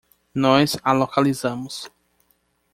Nós a localizamos.